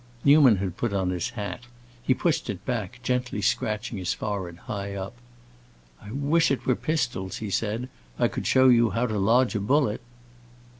Newman had put on his hat; he pushed it back, gently scratching his forehead, high up. "I wish it were pistols," he said. "I could show you how to lodge a bullet!"